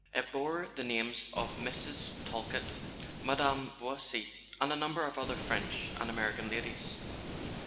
It bore the names of Mrs. Tal kett, Mme. Beausite and a number of other French and American ladies.